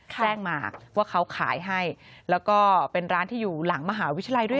แจ้งมาว่าเขาขายให้แล้วก็เป็นร้านที่อยู่หลังมหาวิทยาลัยด้วย